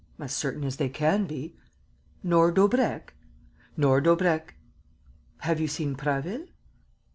"As certain as they can be." "Nor Daubrecq?" "Nor Daubrecq." "Have you seen Prasville?"